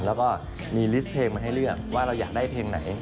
แล้วก็มีลิสต์เพลงมาให้เลือกว่าเราอยากได้เพลงไหน